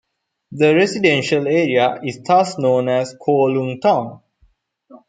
The residential area is thus known as Kowloon Tong.